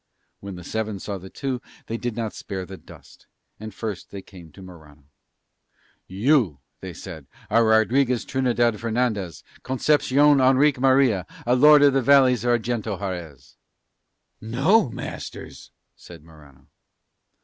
When the seven saw the two they did not spare the dust; and first they came to Morano. "You," they said, "are Rodriguez Trinidad Fernandez, Concepcion Henrique Maria, a Lord of the Valleys of Arguento Harez." "No, masters," said Morano.